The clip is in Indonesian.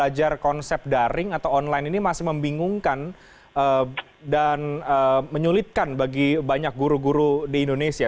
agar konsep daring atau online ini masih membingungkan dan menyulitkan bagi banyak guru guru di indonesia